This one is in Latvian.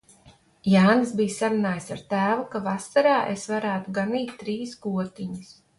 Jānis bija sarunājis ar tēvu, ka vasarā es varētu paganīt trīs gotiņas.